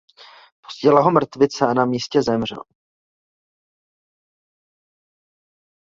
Postihla ho mrtvice a na místě zemřel.